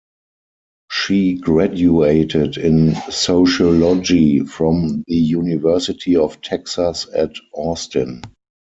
She graduated in sociology from the University of Texas at Austin.